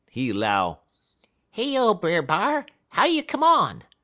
He 'low: "'Heyo, Brer B'ar, how you come on?